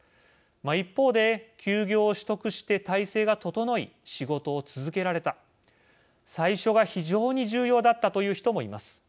一方で、休業を取得して体制が整い、仕事を続けられた最初が非常に重要だったという人もいます。